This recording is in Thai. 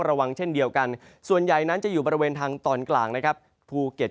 ระวังเช่นเดียวกันส่วนใหญ่นั้นจะอยู่บริเวณทางตอนกลางนะครับภูเก็ต